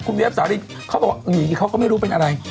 คุณเวฟสาลินเขาบอกว่า๔๐๑ย์อย่างนี้เขาก็ไม่รู้เป็นอะไร